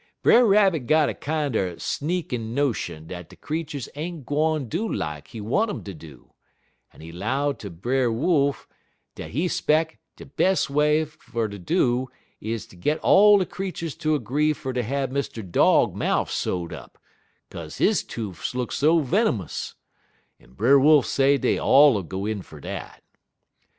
"Brer Rabbit got a kinder sneakin' notion dat de creeturs ain't gwine do lak he want um ter do, en he 'low ter Brer Wolf dat he 'speck de bes' way fer ter do is ter git all de creeturs ter 'gree fer ter have Mr. Dog mouf sew'd up, 'kaze he toofs look so venomous; en Brer Wolf say dey ull all go in fer dat.